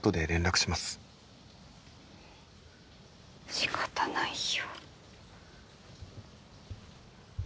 しかたないよ。